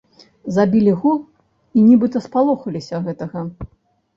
Забілі гол, і нібыта спалохаліся гэтага.